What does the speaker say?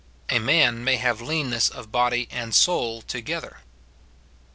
A man may have leanness of body and soul together.